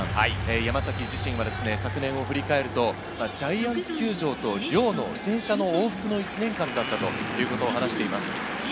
山崎自身は昨年を振り返るとジャイアンツ球場と寮の自転車の往復の１年間だったということを話しています。